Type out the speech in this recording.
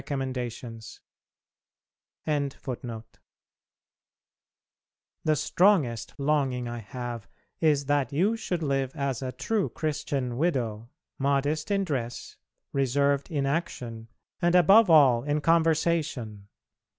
[A] The strongest longing I have is that you should live as a true Christian widow, modest in dress, reserved in action, and above all in conversation.